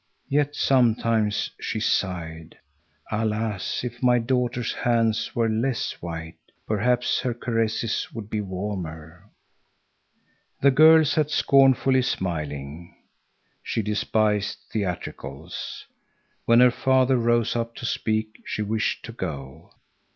Yet sometimes she sighed. "Alas! if my daughter's hands were less white, perhaps her caresses would be warmer!" The girl sat scornfully smiling. She despised theatricals. When her father rose up to speak, she wished to go.